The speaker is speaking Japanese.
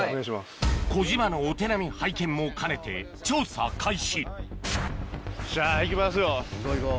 小島のお手並み拝見も兼ねて調査開始いこういこう。